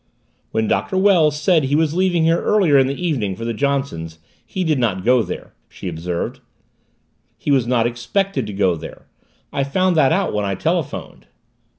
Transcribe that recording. "When Doctor Wells said he was leaving here earlier in the evening for the Johnsons' he did not go there," she observed. "He was not expected to go there. I found that out when I telephoned."